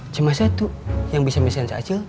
cuma satu yang bisa mesin si acil